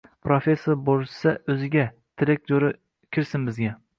Professor bo‘lishsa o‘ziga. Tilak Jo‘ra kirsin bizga!»